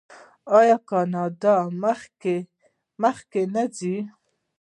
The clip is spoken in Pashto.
آیا کاناډا مخکې نه ځي؟